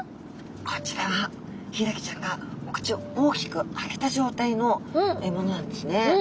こちらはヒイラギちゃんがお口を大きく開けた状態のものなんですね。